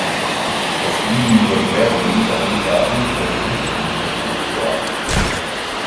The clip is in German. Es liegen nur sehr wenige Angaben zur Brutbiologie vor.